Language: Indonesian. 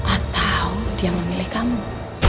atau dia memilih kamu